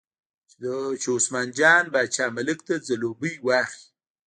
چې عثمان جان باچا ملک ته ځلوبۍ واخلي.